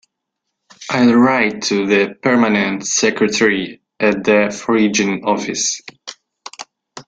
I’ll write to the Permanent Secretary at the Foreign Office.